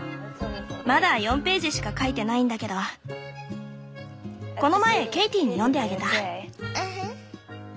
まだ４ページしか書いてないんだけどこの前ケイティに読んであげた。